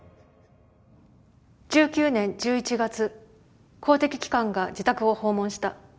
１９年１１月、公的機関が自宅を訪問した。